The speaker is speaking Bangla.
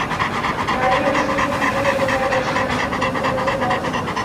বাড়িঘর, স্কুল ধ্বংস হয়ে যাওয়ায় তারা শরণার্থীর জীবন কাটাতে বাধ্য হয়।